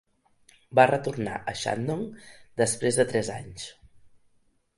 Va retornar a Shandong després de tres anys.